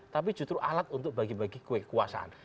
tapi justru alat untuk bagi bagi kue kekuasaan